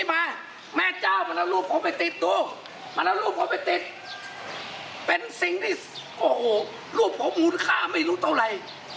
มาแล้วรูปผมไปติดเป็นสิ่งที่โอ้โหรูปผมมูลค่าไม่รู้เท่าไร